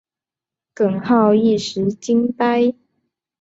耿浩一时惊呆。